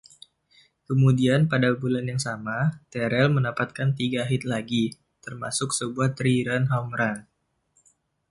Kemudian pada bulan yang sama, Terrell mendapatkan tiga hit lagi, termasuk sebuah three-run home run.